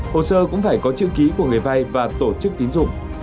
hồ sơ cũng phải có chữ ký của người vay và tổ chức tín dụng